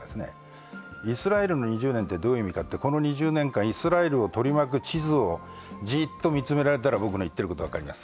イスラエルの２０年ってどういう意味かというと、この２０年間、イスラエルを取り巻く地図をじーっと見つめられたら僕の言っていることが分かります。